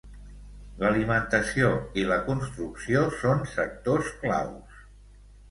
L'alimentació i la construcció són sectors claus.